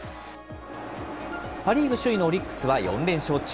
パ・リーグ首位のオリックスは４連勝中。